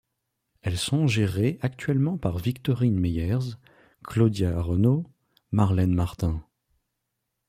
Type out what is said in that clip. Elles sont gérées actuellement par Victorine Meyers, Claudia Renau, Marlène Martin.